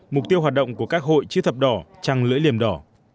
mục tiêu hoạt động của các hội chữ thập đỏ trăng lưỡi liềm đỏ